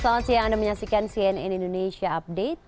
selamat siang anda menyaksikan cnn indonesia update